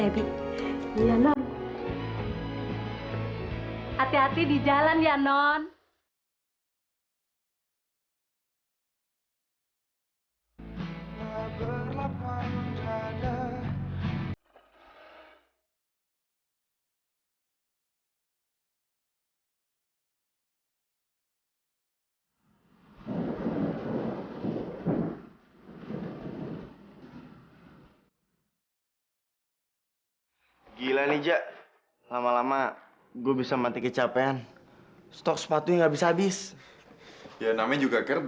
ya beda kali kalo sama cowok yang disukain